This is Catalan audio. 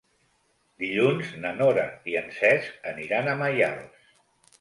Dilluns na Nora i en Cesc aniran a Maials.